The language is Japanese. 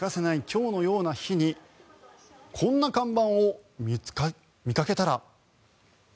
今日のような日にこんな看板を見かけたら。